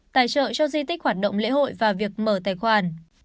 tài trợ cho di tích hoạt động lễ hội và việc mở tài khoản